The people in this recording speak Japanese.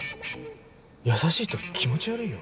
優しいと気持ち悪いよ。